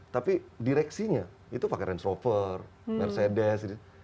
tapi direksinya itu pakai range rover mercedes